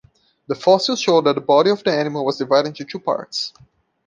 The fossils show that the body of the animal was divided into two parts.